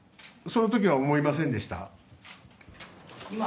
その時は思いませんでした。